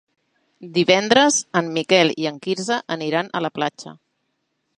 Divendres en Miquel i en Quirze aniran a la platja.